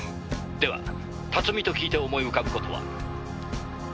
「では辰巳と聞いて思い浮かぶ事は？」